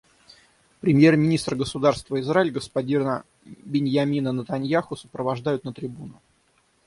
Премьер-министра Государства Израиль господина Биньямина Нетаньяху сопровождают на трибуну.